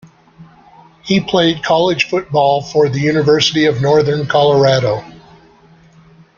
He played college football for the University of Northern Colorado.